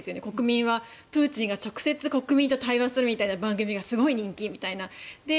国民はプーチンが直接国民と対話するという番組がすごい人気みたいな。